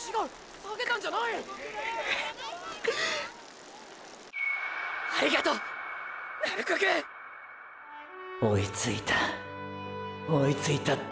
追いついた追いついたった。